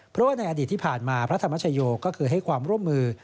เพราะว่าในอดีตที่ผ่านมาพระธรรมชโยก็คือให้ความร่วมมือ